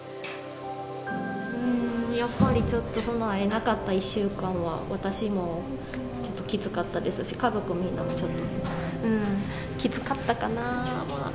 やっぱりちょっと、会えなかった１週間は私もちょっときつかったですし、家族みんなもちょっときつかったかな。